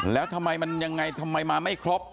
แล้วทำไมมันยังไงทำไมมาไม่ครบ